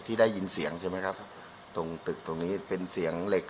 ที่ได้ยินเสียงใช่ไหมครับตรงตึกตรงนี้เป็นเสียงเหล็ก